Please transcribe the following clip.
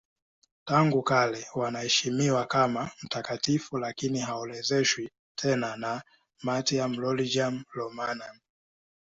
Tangu kale wanaheshimiwa kama mtakatifu lakini haorodheshwi tena na Martyrologium Romanum.